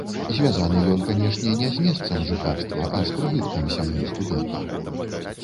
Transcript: Звязаны ён, канешне, не з месцам жыхарства, а з прыбыткам сям'і студэнта.